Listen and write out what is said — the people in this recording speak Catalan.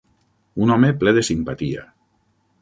Un home ple de simpatia.